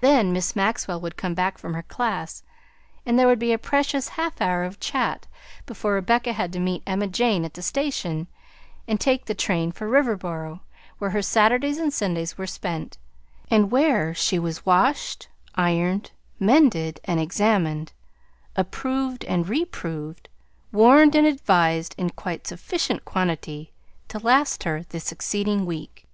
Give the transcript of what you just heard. Then Miss Maxwell would come back from her class, and there would be a precious half hour of chat before Rebecca had to meet Emma Jane at the station and take the train for Riverboro, where her Saturdays and Sundays were spent, and where she was washed, ironed, mended, and examined, approved and reproved, warned and advised in quite sufficient quantity to last her the succeeding week.